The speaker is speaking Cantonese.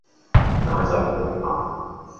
那就去吧！